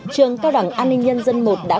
trường cao đẳng an ninh nhân dân một đã